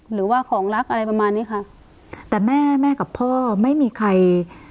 หรือว่าของรักอะไรประมาณนี้ค่ะแต่แม่แม่กับพ่อไม่มีใคร